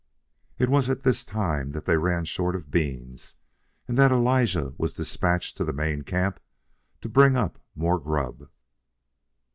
It was at this time that they ran short of beans and that Elijah was despatched to the main camp to bring up more grub.